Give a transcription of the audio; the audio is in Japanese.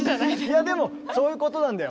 いやでもそういうことなんだよ。